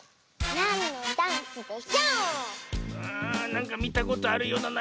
なんかみたことあるようなないような。